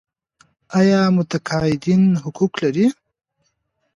آیا متقاعدین حقوق لري؟